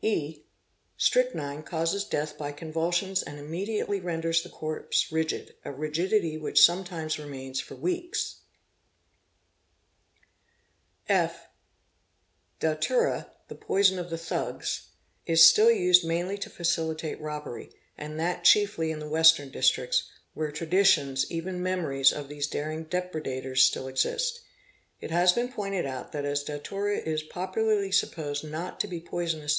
(e) Strychnine causes death by convulsions and immediately ren ders the corpse rigid, a rigidity which sometimes remains for weeks 4047105), (f) Datura, the poison of the thugs, is still used mainly to — facilitate robbery, and that chiefly in the Western districts, where tra _ ditions, even memories, of these daring depredators still exist. It has been pointed out that as datura is popularly supposed not to be poisonous